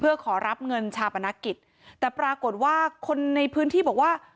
เพื่อขอรับเงินชาปนกิจแต่ปรากฏว่าคนในพื้นที่บอกว่า